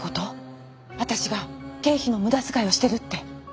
私が経費の無駄遣いをしてるって。